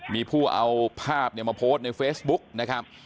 มีผู้เอาภาพมาโพสต์ในเฟสบุ๊คนะครับ